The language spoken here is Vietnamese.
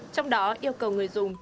trong đó yêu cầu người dùng